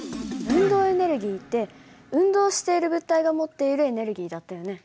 運動エネルギーって運動している物体が持っているエネルギーだったよね。